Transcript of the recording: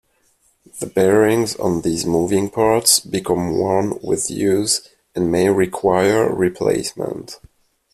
The bearings on these moving parts become worn with use and may require replacement.